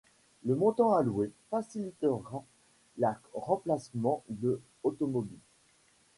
Le montant alloué facilitera la remplacement de automobiles.